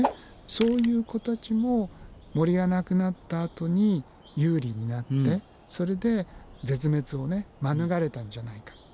そういう子たちも森がなくなったあとに有利になってそれで絶滅を免れたんじゃないかと。